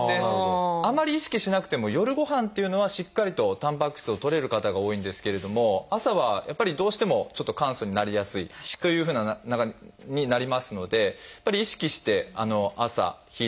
あまり意識しなくても夜ごはんっていうのはしっかりとたんぱく質をとれる方が多いんですけれども朝はやっぱりどうしてもちょっと簡素になりやすいというふうになりますのでやっぱり意識して朝昼夕ともにですね